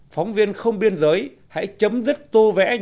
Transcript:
phóng viên không biên giới hãy chấm dứt tô vẽ